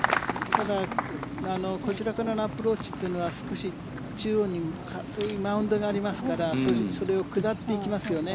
ただ、こちらからのアプローチというのは少し中央にマウンドがありますからそれを下っていきますよね。